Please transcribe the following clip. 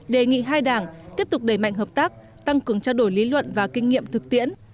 đề nghị hai đảng tiếp tục đẩy mạnh hợp tác tăng cường trao đổi lý luận và kinh nghiệm thực tiễn